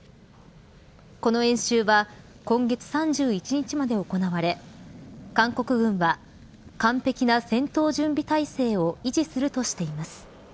この演習は今月３１日まで行われ韓国軍は完璧な戦闘準備態勢を維持するとしています。